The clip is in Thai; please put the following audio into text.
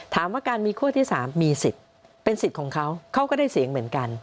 ถามว่าการมีขั้วที่๓มีสิทธิ์เป็นสิทธิ์ของเขาเขาก็ได้เสียงเหมือนกัน